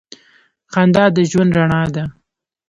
• خندا د ژوند رڼا ده.